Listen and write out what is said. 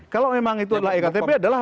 kalau memang itu adalah e ktp adalah